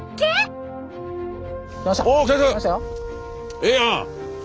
ええやん！